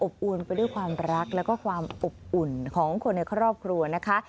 อวนไปด้วยความรักแล้วก็ความอบอุ่นของคนในครอบครัวนะคะ